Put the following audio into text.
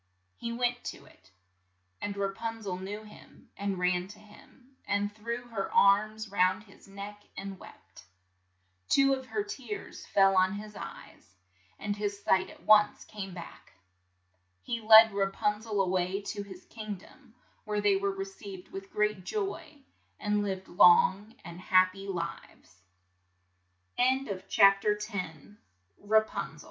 He went to it, and Ra pun zel knew him, and ran to him, and threw her arms round his neck and wept. Two of her tears fell on his eyes, and his sight at once came back He led Ra pun zel a way to his king dom, where they were received with great joy,